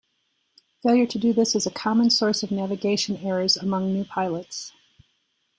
Failure to do this is a common source of navigation errors among new pilots.